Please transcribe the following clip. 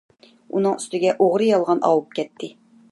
ئۈنىڭ ئۈستىگە ئوغرى - يالغان ئاۋۇپ كەتتى.